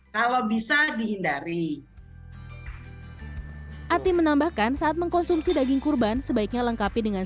kalau bisa dihindari ati menambahkan saat mengkonsumsi daging kurban sebaiknya lengkapi dengan